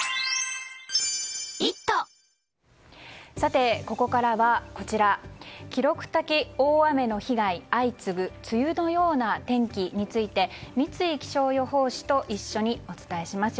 さて、ここからは記録的大雨の被害相次ぐ梅雨のような天気について三井気象予報士と一緒にお伝えします。